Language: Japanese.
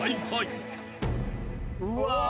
うわ！